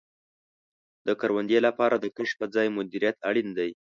د کروندې لپاره د کښت په ځای مدیریت اړین دی.